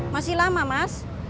masih lama mas